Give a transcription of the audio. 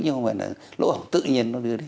nhưng mà phải là lỗ hổng tự nhiên nó đưa đi